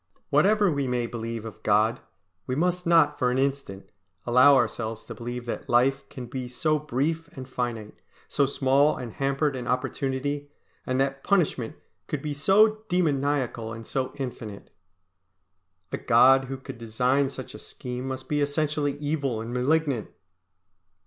Whatever we may believe of God, we must not for an instant allow ourselves to believe that life can be so brief and finite, so small and hampered an opportunity, and that punishment could be so demoniacal and so infinite. A God who could design such a scheme must be essentially evil and malignant.